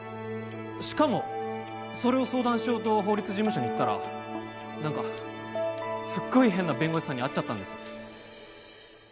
しかもそれを相談しようと法律事務所に行ったら何かすっごい変な弁護士さんに会っちゃったんです